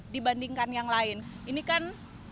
dibandingkan yang lain ini kan